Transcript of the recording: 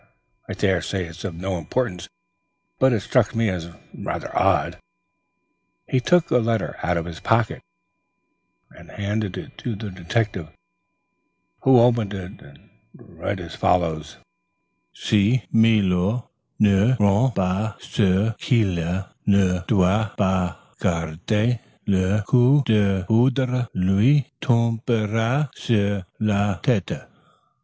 I daresay it's of no importance, but it struck me as rather odd." He took a letter out of his pocket and handed it to the detective, who opened it and read as follows: "Si Milord ne rend pas ce qu'il ne doit pas garder, le coup de foudre lui tombera sur la tête."